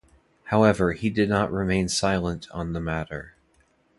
However, he did not remain silent on the matter.